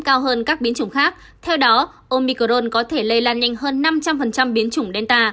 cao hơn các biến chủng khác theo đó omicron có thể lây lan nhanh hơn năm trăm linh biến chủng delta